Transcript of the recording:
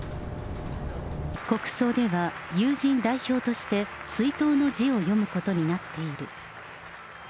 国葬では友人代表として、追悼の辞を読むことになっている。